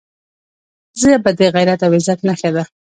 ژبه د غیرت او عزت نښه ده